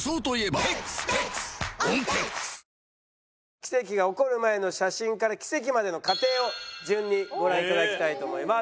奇跡が起こる前の写真から奇跡までの過程を順にご覧頂きたいと思います。